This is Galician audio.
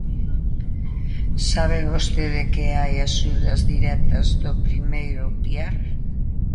Sabe vostede que hai axudas directas do primeiro piar.